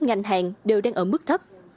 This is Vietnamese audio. ngành hàng đều đang ở mức thấp